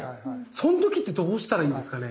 その時ってどうしたらいいんですかね。